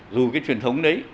dù cái truyền thống đấy